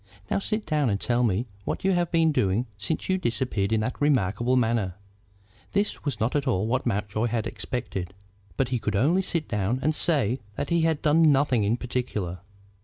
Now sit down and tell me what you have been doing since you disappeared in that remarkable manner." This was not at all what Mountjoy had expected, but he could only sit down and say that he had done nothing in particular.